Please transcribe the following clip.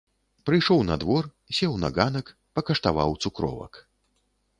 Прыйшоў на двор, сеў на ганак, пакаштаваў цукровак.